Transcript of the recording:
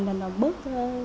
để cho nó bước